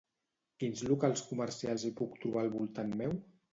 Quins locals comercials hi puc trobar al voltant meu?